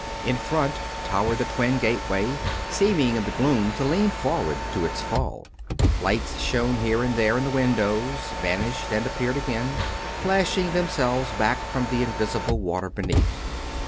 In front towered the twin gateway, seeming in the gloom to lean forward to its fall. Lights shone here and there in the windows, vanished and appeared again, flashing themselves back from the invisible water beneath.